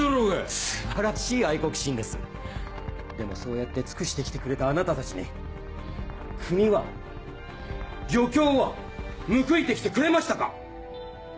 素晴らしい愛国心ですでもそうやって尽くして来てくれたあなたたちに国は漁協は報いて来てくれましたか？